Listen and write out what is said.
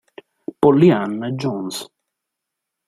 Pollyanna Johns